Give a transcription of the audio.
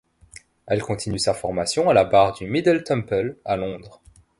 Elle continue sa formation à la barre du Middle Temple à Londres.